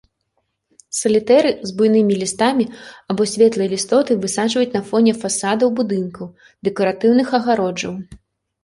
Салітэры з буйнымі лістамі або светлай лістотай высаджваюць на фоне фасадаў будынкаў, дэкаратыўных агароджаў.